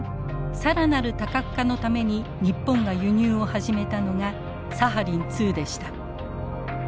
更なる多角化のために日本が輸入を始めたのがサハリン２でした。